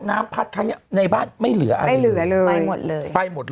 น้ำพัดครั้งเนี้ยในบ้านไม่เหลืออะไรไม่เหลือเลยไปหมดเลยไปหมดเลย